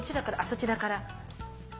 そちらから。